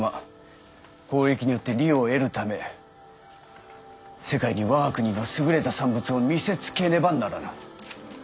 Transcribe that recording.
交易によって利を得るため世界に我が国の優れた産物を見せつけねばならぬ。